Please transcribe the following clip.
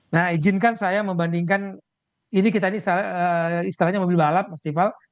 nah izinkan saya membandingkan ini kita ini istilahnya mobil balap festival